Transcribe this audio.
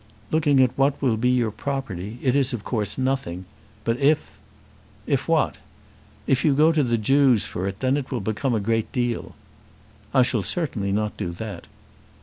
"Looking at what will be your property it is of course nothing. But if " "If what?" "If you go to the Jews for it then it will become a great deal." "I shall certainly not do that."